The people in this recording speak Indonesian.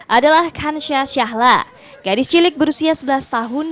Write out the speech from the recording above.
adalah khansha shahla gadis cilik berusia sebelas tahun